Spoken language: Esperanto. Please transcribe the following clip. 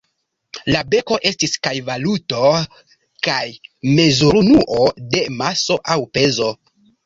La beko estis kaj valuto kaj mezurunuo de maso aŭ pezo.